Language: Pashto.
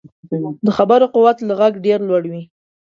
د خبرو قوت له غږ ډېر لوړ وي